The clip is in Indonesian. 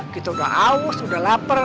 kita udah aus udah lapar